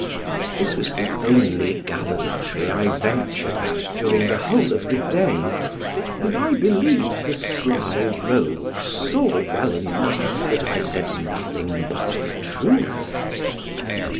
This was the only gallantry I ventured at during the whole of the day, and I believe the sly rogues saw well enough that I said nothing but the truth.